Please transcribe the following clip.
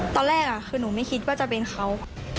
ตอนแรกคือหนูไม่คิดว่าจะเป็นเขา